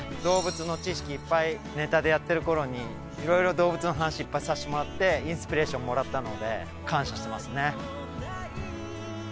動物の知識いっぱいネタでやってるころに色々動物の話いっぱいさせてもらってインスピレーションもらったので感謝してますね。